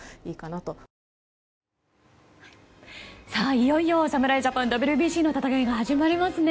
いよいよ侍ジャパンＷＢＣの戦い始まりますね。